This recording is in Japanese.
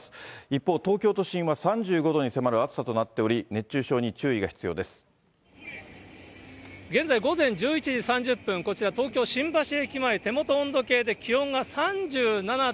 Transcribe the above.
一方、東京都心は３５度に迫る暑さとなっており、現在、午前１１時３０分、こちら東京・新橋駅前、手元の温度計で気温が３７．７度。